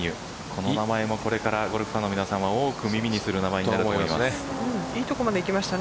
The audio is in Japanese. この名前もこれからゴルフファンの皆さまは多く耳にする名前になるかといいとこまでいきました。